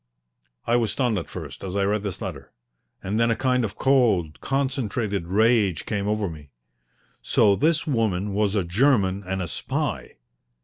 I was stunned at first as I read this letter, and then a kind of cold, concentrated rage came over me. So this woman was a German and a spy!